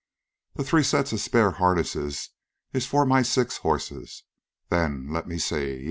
The three sets of spare harness is for my six horses. Then... lemme see...